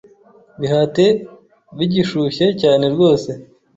Bihate bigishushye cyane rwose